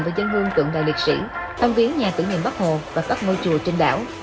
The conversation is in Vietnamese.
và dân hương cượng đại liệt sĩ thăm viếu nhà tử niệm bắc hồ và các ngôi chùa trên đảo